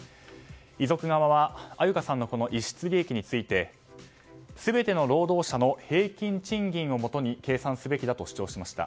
遺族側は安優香さんの逸失利益について全ての労働者の平均賃金をもとに計算すべきだと主張しました。